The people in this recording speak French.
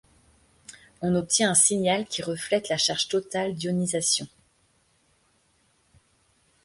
On obtient un signal qui reflète la charge totale d’ionisation.